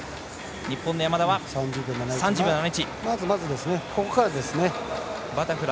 日本の山田は３０秒７１。